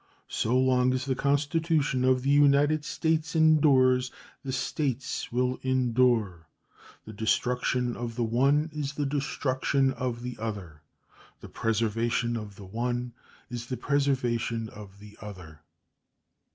So long as the Constitution of the United States endures, the States will endure. The destruction of the one is the destruction of the other; the preservation of the one is the preservation of the other.